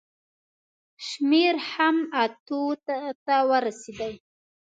شمېر هم اتو ته ورسېدی.